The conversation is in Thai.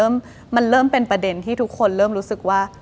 มันเริ่มเป็นประเด็นที่ทุกคนเริ่มรู้สึกว่า